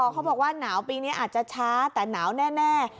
เขาบอกว่าหนาวปีนี้อาจจะช้าแต่หนาวแน่